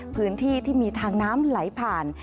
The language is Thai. พื้นที่ที่มีทางน้ำไหลผ่าน